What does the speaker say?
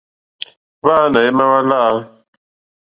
Hwáǎnà émá hwá láǃá.